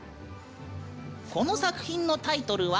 この作品のタイトルは。